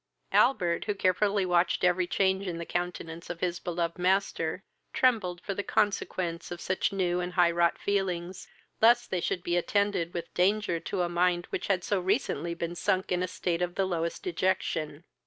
Albert, who carefully watched every change in the countenance of his beloved master, trembled for the consequence of such new and high wrought feelings, lest they should be attended with danger to a mind which had so recently been sunk in a state of the lowest dejection.